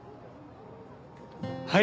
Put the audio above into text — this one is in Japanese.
はい！